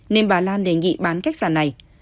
nên bà lan đề nghị bán khách sạn này